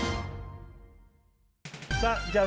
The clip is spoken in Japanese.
さあじゃあ